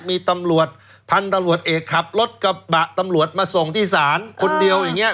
มีตำรวจพันธุ์ตำรวจเอกขับรถกระบะตำรวจมาส่งที่ศาลคนเดียวอย่างนี้